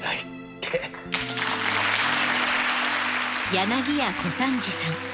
柳家小三治さん。